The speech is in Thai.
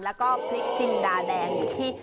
แล้วก็พริกจินดาแดง